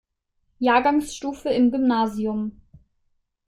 Jahrgangsstufe im Gymnasium.